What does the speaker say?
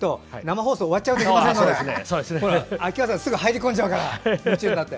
すぐ入り込んじゃうから。